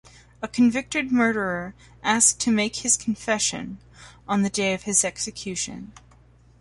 A convicted murderer asks to make his confession on the day of his execution.